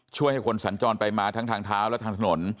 ช่วยให้คนสัญจรไปมาทั้งทางเท้าและทางถนน